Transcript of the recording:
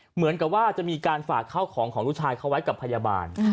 เหมือนกับว่าจะมีการฝากเข้าของของลูกชายเขาไว้กับพยาบาล